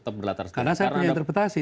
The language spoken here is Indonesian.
karena saya punya interpretasi